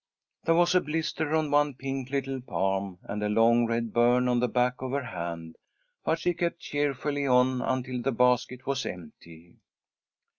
There was a blister on one pink little palm, and a long red burn on the back of her hand, but she kept cheerfully on until the basket was empty.